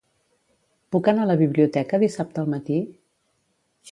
Puc anar a la biblioteca dissabte al matí?